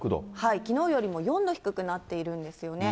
きのうよりも４度低くなっているんですよね。